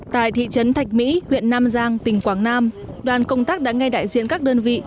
tại thị trấn thạch mỹ huyện nam giang tỉnh quảng nam đoàn công tác đã nghe đại diện các đơn vị